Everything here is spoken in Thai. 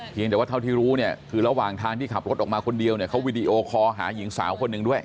แต่ว่าเท่าที่รู้เนี่ยคือระหว่างทางที่ขับรถออกมาคนเดียวเนี่ยเขาวีดีโอคอหาหญิงสาวคนหนึ่งด้วย